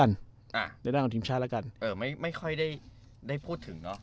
กันอ่าในด้านของทีมชาติแล้วกันเออไม่ไม่ค่อยได้ได้พูดถึงเนอะ